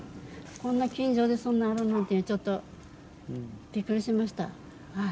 こんな近所でそんなあるなんて、ちょっと、びっくりしました。